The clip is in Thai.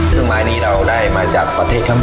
เครื่องไม้นี้เราได้มาจากประเทศพม